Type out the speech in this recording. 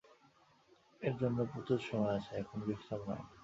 এর জন্য প্রচুর সময় আছে, এখন বিশ্রাম নাও।